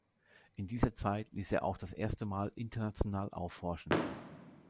In dieser Zeit ließ er auch das erste Mal international aufhorchen.